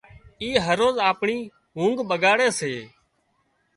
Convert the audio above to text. اي هروز آپڻي اونگھ ٻڳاڙي سي